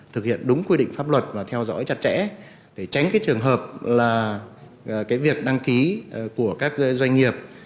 thực hiện đúng quy định pháp luật và theo dõi chặt chẽ để tránh cái trường hợp là việc đăng ký của các doanh nghiệp